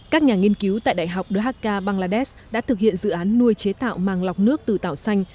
các nhà nghiên cứu tại đại học dhaka bangladesh đã thực hiện dự án nuôi chế tạo màng lọc nước từ tảo xanh